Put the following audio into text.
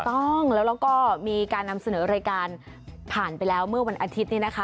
ต้องแล้วก็มีการนำเสนอรายการผ่านไปแล้วเมื่อวันอาทิตย์นี้นะคะ